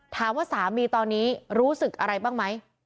ถามว่าสามีตอนนี้รู้สึกอะไรบ้างไหม